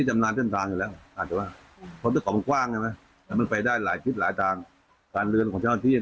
มันจะไปยังไง